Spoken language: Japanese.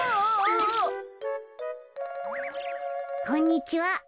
こんにちは。